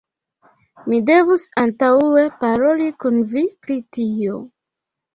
Mi devus antaŭe paroli kun vi pri tio.